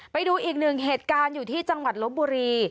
ไปดูอีกหนึ่งเหตุการณ์อยู่ที่จังหวัดลบบุรี